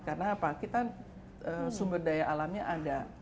karena apa kita sumber daya alamnya ada